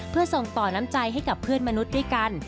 เพื่อส่งต่อน้ำใจให้กับเพื่อนมนุษย์ด้วยกัน